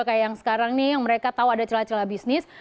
kayak yang sekarang nih yang mereka tahu ada celah celah bisnis